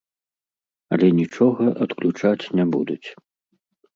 Але нічога адключаць не будуць!